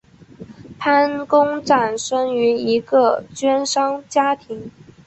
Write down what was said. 潘公展生于一个绢商家庭。